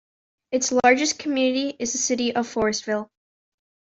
Its largest community is the city of Forestville.